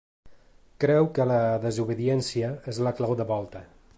Creu que la desobediència és la clau de volta.